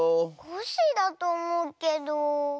コッシーだとおもうけど。